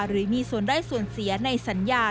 หรือมีส่วนได้ส่วนเสียในสัญญา